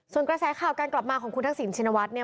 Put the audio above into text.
ส่วนกระแสข่อการกลับมาของครูทักษินชินวัตติ